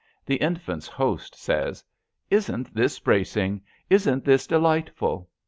The infant's host says: Isn't this bracing? Isn't this delight ful!"